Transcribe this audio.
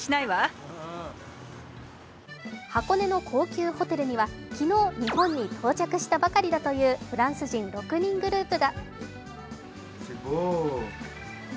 箱根の高級ホテルには昨日、日本に到着したばかりというフランス人６人グループが。